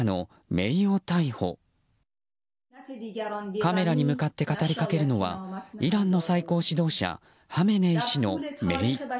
カメラに向かって語りかけるのはイランの最高指導者ハメネイ師のめい。